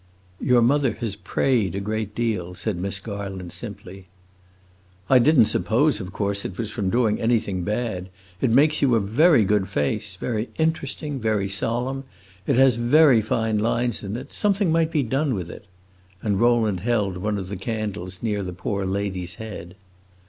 "Your mother has prayed a great deal," said Miss Garland, simply. "I did n't suppose, of course, it was from doing anything bad! It makes you a very good face very interesting, very solemn. It has very fine lines in it; something might be done with it." And Rowland held one of the candles near the poor lady's head.